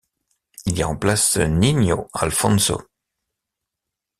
Il y remplace Niño Alfonso.